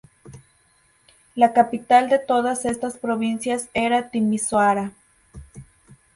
La capital de todas estas provincias era Timișoara.